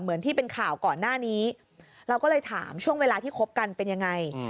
เหมือนที่เป็นข่าวก่อนหน้านี้เราก็เลยถามช่วงเวลาที่คบกันเป็นยังไง